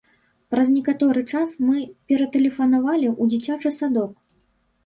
Праз некаторы час мы ператэлефанавалі ў дзіцячы садок.